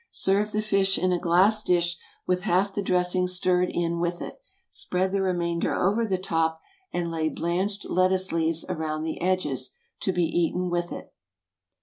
Serve the fish in a glass dish, with half the dressing stirred in with it. Spread the remainder over the top, and lay blanched lettuce leaves around the edges, to be eaten with it.